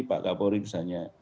pak kapolri misalnya